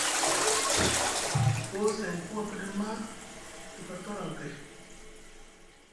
Koo seŋku a pɗem maa, ɗif a tooraŋ kay.